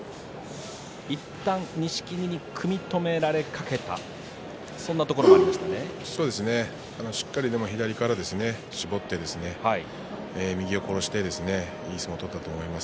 いったん錦木に組み止められかけたしっかり左から絞って右を殺していい相撲を取ったと思います。